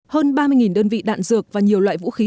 hơn ba mươi đơn vị đạn dược và nhiều loại vũ khí